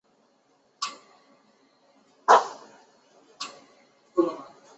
美亭国家体育场是一座位于越南首都河内的体育场。